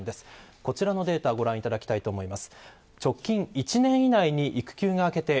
こちらのデータをご覧いただきたいと思います。